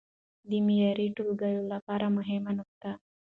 د معياري ټولګي لپاره مهم نقاط: